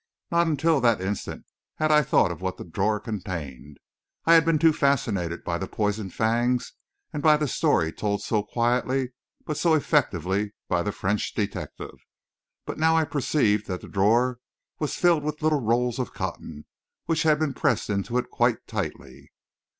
Not until that instant had I thought of what the drawer contained; I had been too fascinated by the poisoned fangs and by the story told so quietly but so effectively by the French detective; but now I perceived that the drawer was filled with little rolls of cotton, which had been pressed into it quite tightly.